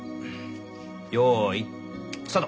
よいスタート。